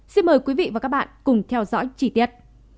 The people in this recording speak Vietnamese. xin mời quý vị và các bạn cùng theo dõi chi tiết